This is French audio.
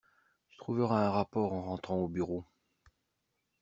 Tu trouveras un rapport en rentrant au bureau.